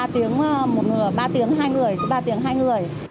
ba tiếng một người ba tiếng hai người ba tiếng hai người